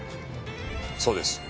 そうです。